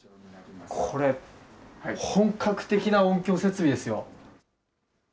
これ、本格的な音響設備ですよ。